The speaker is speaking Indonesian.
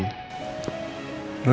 kau mau ke tempat rendi